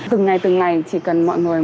từng ngày từng ngày chỉ cần mọi người